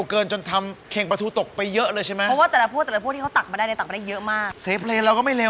เอากลับบ้านไปเลย